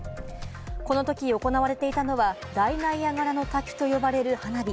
このとき行われていたのは、大ナイアガラの滝と呼ばれる花火。